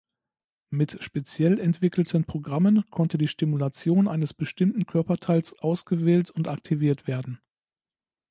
Mit speziell entwickelten Programmen konnte die Stimulation eines bestimmten Körperteils ausgewählt und aktiviert werden.